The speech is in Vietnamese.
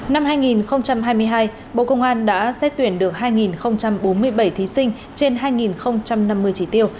năm hai nghìn hai mươi hai bộ công an đã xét tuyển được hai bốn mươi bảy thí sinh trên hai năm mươi chỉ tiêu